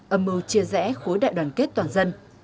âm mưu chia rẽ khối đại đoàn kết toàn dân